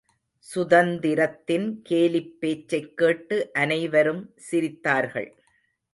சுந்தரத்தின் கேலிப்பேச்சைக் கேட்டு அனை வரும் சிரித்தார்கள்.